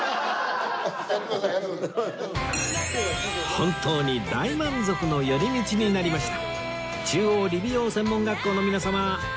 本当に大満足の寄り道になりました